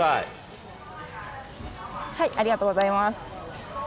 ありがとうございます。